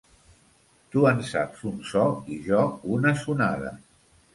Tu en saps un so i jo una sonada.